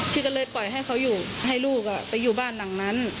พี่ก็เลยปล่อยให้เขาอยู่ให้ลูกไปอยู่บ้านหลังนั้น